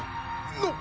なっ！